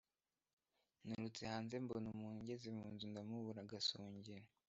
Nturutse hanze mbona umuntu ngeze mu nzu ndamubura-Agasongero.